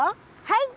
はい！